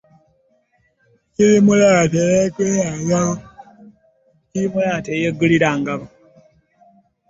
Kiri mulaala teyegulira ngabo .